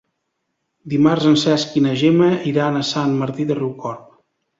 Dimarts en Cesc i na Gemma iran a Sant Martí de Riucorb.